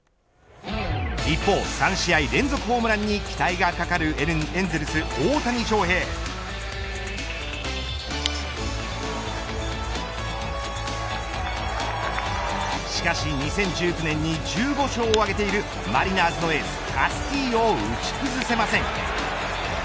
一方、３試合連続ホームランに期待がかかるエンゼルス、大谷翔平。しかし２０１９年に１５勝を挙げているマリナーズのエースカスティーヨを打ち崩せません。